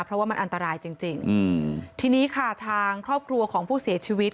เพราะว่ามันอันตรายจริงจริงอืมทีนี้ค่ะทางครอบครัวของผู้เสียชีวิต